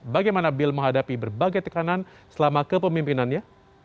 bagaimana bill menghadapi berbagai tekanan selama kepemimpinannya